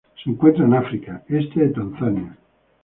Se encuentran en África: este de Tanzania.